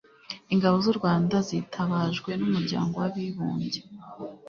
ingabo z'u rwanda zitabajwe n'umuryango w'abibumbye